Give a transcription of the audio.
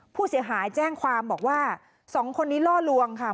ผู้เสียหายแจ้งความบอกว่าสองคนนี้ล่อลวงค่ะ